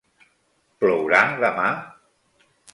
Plourà demà?